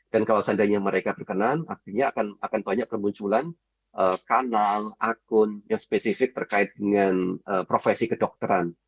dan kalau seandainya mereka berkenan artinya akan banyak kemunculan kanal akun yang spesifik terkait dengan profesi kedokteran